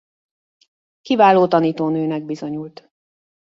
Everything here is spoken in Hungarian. Kiváló tanítónőnek bizonyult.